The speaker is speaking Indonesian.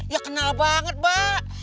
ya kenal banget pak